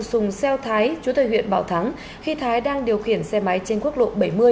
sùng xeo thái chú thầy huyện bảo thắng khi thái đang điều khiển xe máy trên quốc lộ bảy mươi